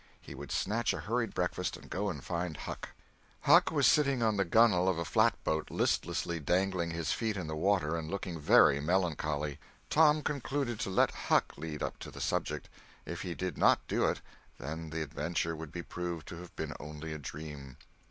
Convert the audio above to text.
He would snatch a hurried breakfast and go and find Huck. Huck was sitting on the gunwale of a flatboat, listlessly dangling his feet in the water and looking very melancholy. Tom concluded to let Huck lead up to the subject. If he did not do it, then the adventure would be proved to have been only a dream.